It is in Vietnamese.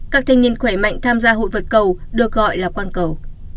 các thanh niên khỏe mạnh tham gia hội vật cầu được gọi là quang cầu